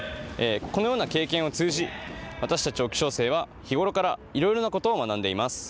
このような経験を通じ私たち沖尚生は日頃から色々なことを学んでいます。